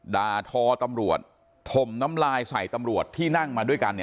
ด่าทอตำรวจถมน้ำลายใส่ตำรวจที่นั่งมาด้วยกัน